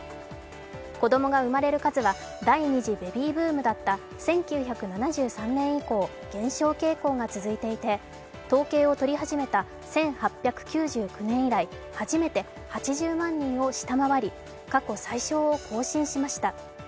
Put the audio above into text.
子供が生まれる数は第２次ベビーブームだった１９７３年以降減少傾向が続いていて、統計を取り始めた１８９９年以来、初めて８０万人を下回り、過去最少を更新しました。